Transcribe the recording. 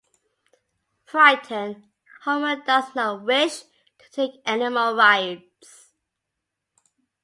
Frightened, Homer does not wish to take any more rides.